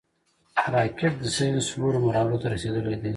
راکټ د ساینس لوړو مرحلو ته رسېدلی دی